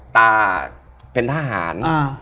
ตาเป็นทหาร